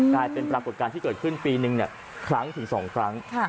กลายเป็นปรากฏการณ์ที่เกิดขึ้นปีนึงครั้งถึง๒ครั้ง